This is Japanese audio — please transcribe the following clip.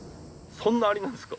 そんなアリなんですか？